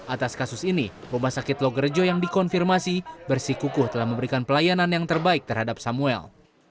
atas kasus ini rumah sakit logerejo yang dikonfirmasi bersikukuh telah memberikan pelayanan yang terbaik terhadap samuel